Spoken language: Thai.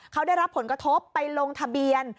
เขาได้รับผลกระทบไปลงทะเบียน